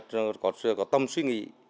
rồi có tâm suy nghĩ